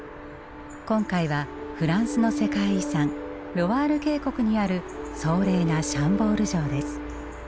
今回はフランスの世界遺産ロワール渓谷にある壮麗なシャンボール城です。